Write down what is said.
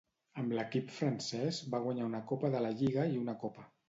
Amb l'equip francès va guanyar una Copa de la Lliga i una Copa.